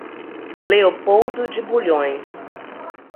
Leopoldo de Bulhões